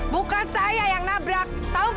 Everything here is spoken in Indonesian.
bukan saya yang nabrak tahu gak